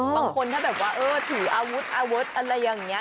บางคนถ้าแบบถืออาวุธอะไรอย่างนี้